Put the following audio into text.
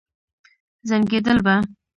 زنګېدل به.